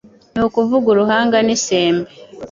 ni ukuvuga uruhanga n'isembe.